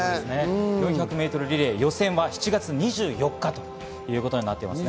４００ｍリレー予選は７月２４日となっていますね。